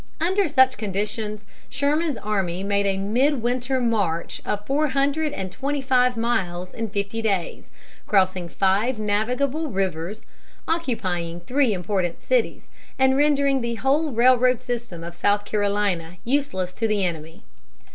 Under such conditions, Sherman's army made a mid winter march of four hundred and twenty five miles in fifty days, crossing five navigable rivers, occupying three important cities, and rendering the whole railroad system of South Carolina useless to the enemy.